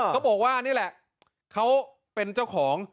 เขาบอกว่านี่แหละเขาเป็นเจ้าของ